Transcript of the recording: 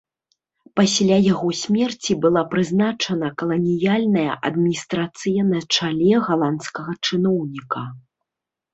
Пасля яго смерці была прызначана каланіяльная адміністрацыя на чале галандскага чыноўніка.